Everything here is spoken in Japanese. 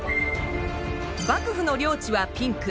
幕府の領地はピンク。